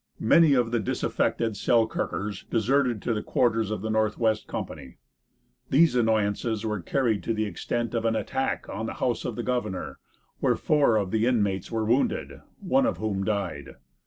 Many of the disaffected Selkirkers deserted to the quarters of the Northwest Company. These annoyances were carried to the extent of an attack on the house of the governor, where four of the inmates were wounded, one of whom died.